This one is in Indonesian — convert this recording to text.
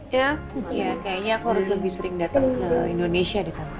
iya kayaknya aku harus lebih sering datang ke indonesia di kantor